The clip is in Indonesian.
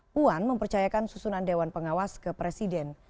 puan mempercayakan susunan dewan pengawas ke presiden